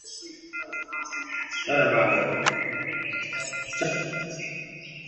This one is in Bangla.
আপনার জ্বর, সর্দি বা গলা ব্যাথা আছে কি?